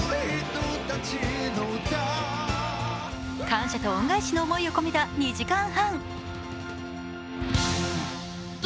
感謝と恩返しの思いを込めた２時間半。